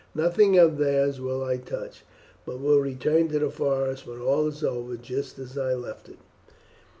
Nothing of theirs will I touch, but will return to the forest when all is over just as I left it."